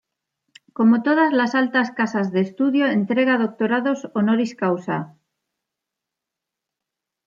Como todas las altas casas de estudio, entrega doctorados honoris causa.